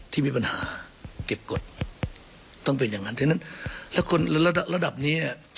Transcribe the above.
ที่มีปัญหาเก็บกฎต้องเป็นอย่างนั้นฉะนั้นแล้วคนระดับนี้